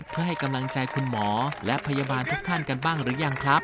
เพื่อให้กำลังใจคุณหมอและพยาบาลทุกท่านกันบ้างหรือยังครับ